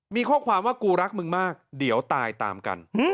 มีข้อความว่ากูรักมึงมากเดี๋ยวตายตามกัน